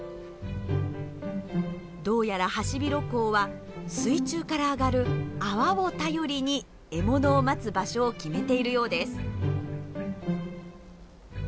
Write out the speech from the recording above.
どうやらハシビロコウは水中から上がる泡を頼りに獲物を待つ場所を決めているようです。